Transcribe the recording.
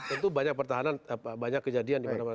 itu banyak pertahanan banyak kejadian dimana mana